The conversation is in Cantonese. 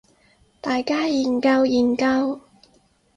大家研究研究